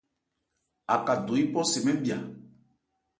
Aka do yípɔ se mɛ́n bhya.